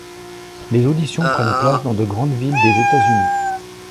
Les auditions prennent place dans de grandes villes des États-Unis.